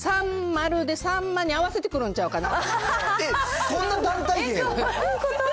まるでサンマに合わせてくるんちゃうかな。